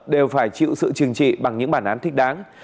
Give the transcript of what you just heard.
đều phải chịu sự trừng trị bằng những bản án thích đáng